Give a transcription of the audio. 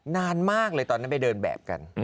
นานมากเลยตอนนั้นไปเดินแบบกัน